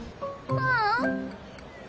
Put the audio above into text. ううん。